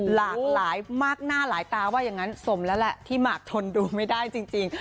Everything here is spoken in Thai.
หลากหลายมากหน้าหลายตาว่าอย่างนั้นสมแล้วแหละที่หมากทนดูไม่ได้จริง